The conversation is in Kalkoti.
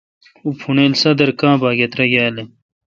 اوں پھوݨیل سادر کاں باگہ تراگال این۔